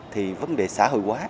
thì vấn đề xã hội quá